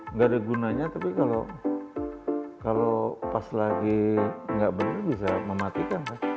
nggak ada gunanya tapi kalau pas lagi nggak benar bisa mematikan